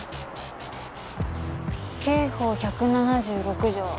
刑法１７６条